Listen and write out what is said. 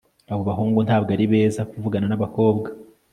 Abo bahungu ntabwo ari beza kuvugana nabakobwa